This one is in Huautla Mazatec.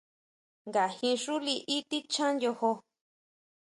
¿Ngajin xú liʼí tichjan yojó?